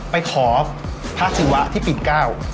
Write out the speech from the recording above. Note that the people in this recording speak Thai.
ไปขอพระศิวะที่ปิ่นเก้า